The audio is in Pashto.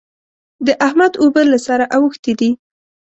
د احمد اوبه له سره اوښتې دي.